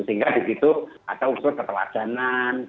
sehingga disitu ada unsur keteladanan